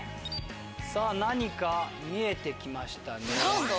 さぁ何か見えてきましたね。